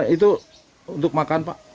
itu untuk makan